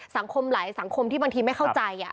สังคมหลายสังคมที่บางทีไม่เข้าใจ